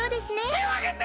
てをあげて！